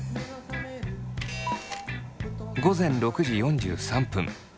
午前６時４３分。